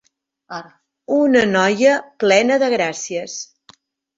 Una noia plena de gràcies.